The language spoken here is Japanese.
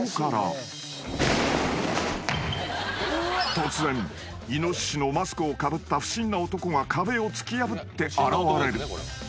［突然イノシシのマスクをかぶった不審な男が壁を突き破って現れる］